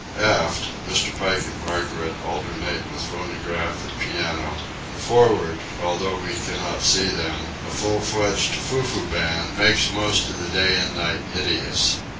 Aft, Mr. Pike and Margaret alternate with phonograph and piano; and for'ard, although we cannot see them, a full fledged "foo foo" band makes most of the day and night hideous.